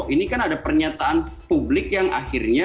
ini kan ada pernyataan publik yang akhirnya